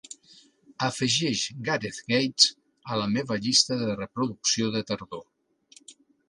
Afegeix Gareth Gates a la meva llista de reproducció de tardor.